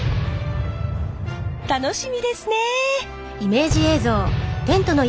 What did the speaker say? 楽しみですね。